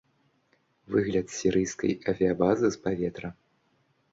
Выгляд сірыйскай авіябазы з паветра.